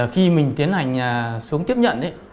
khi tiến hành xuống tiếp nhận